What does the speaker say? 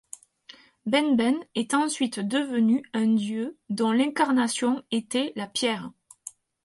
Benben est ensuite devenu un dieu dont l'incarnation était la pierre.